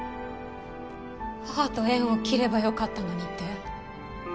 母と縁を切ればよかったのにって？